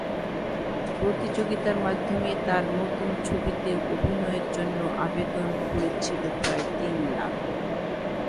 প্রতিযোগিতার মাধ্যমে তাঁর নতুন ছবিতে অভিনয়ের জন্য আবেদন পড়েছিল প্রায় তিন লাখ।